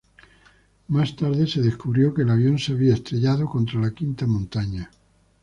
Más tarde se descubrió que el avión se había estrellado contra la quinta montaña.